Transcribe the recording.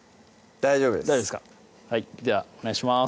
大丈夫ですはいではお願いします